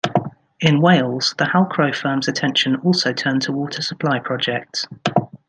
In Wales, the Halcrow firm's attention also turned to water supply projects.